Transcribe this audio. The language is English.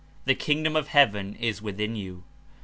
"The kingdom of heaven Is within you."